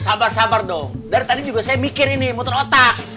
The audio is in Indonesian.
sabar sabar dong dari tadi juga saya mikir ini muter otak